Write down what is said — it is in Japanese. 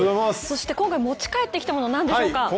そして今回、持ち帰ってきたものなんでしょうか？